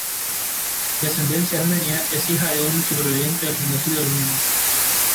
De ascendencia armenia es hija de un superviviente del Genocidio Armenio.